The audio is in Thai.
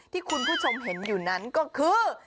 ที่คุณผู้ชมเห็นอยู่นั้นก็คือ